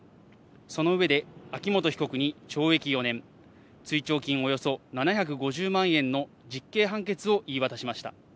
その上で秋元被告に懲役４年、追徴金およそ７５０万円の実刑判決を言い渡しました。